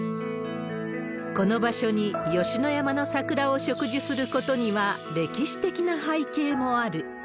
この場所に吉野山の桜を植樹することには、歴史的な背景もある。